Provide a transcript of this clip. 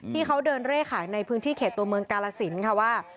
ที่เขาเดินเร่ขายในพื้นที่เขตตัวเมืองกาลสินค่ะว่า